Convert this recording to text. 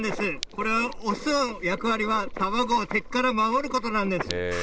これは、雄の役割は、卵を敵から守ることなんです。